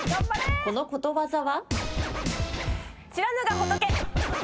このことわざは？